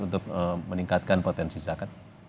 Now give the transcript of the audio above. untuk meningkatkan potensi zakat